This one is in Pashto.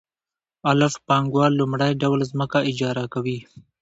الف پانګوال لومړی ډول ځمکه اجاره کوي